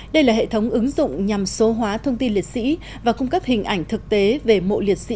đây là hệ thống ứng dụng nhằm số hóa thông tin liệt sĩ và cung cấp hình ảnh thực tế về mộ liệt sĩ nghĩa trang liệt sĩ trên quy mô